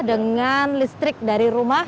dengan listrik dari rumah